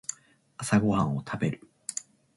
朝ごはんを食べる